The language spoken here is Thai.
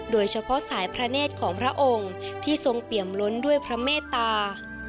โดยเฉพาะสายพระเนธของพระองค์ที่ทรงเปี่ยมล้นด้วยพระเมตตา